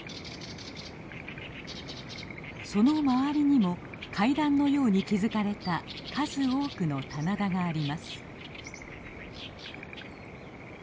その周りにも階段のように築かれた数多くの棚田があります。